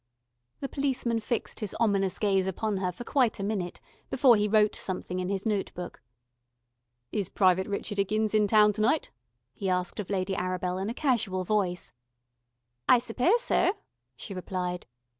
The policeman fixed his ominous gaze upon her for quite a minute before he wrote something in his notebook. "Is Private Richard 'Iggins in town to night?" he asked of Lady Arabel in a casual voice. "I suppose so," she replied.